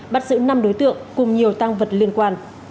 bắt giữ năm đối tượng cùng nhiều tăng vật liên quan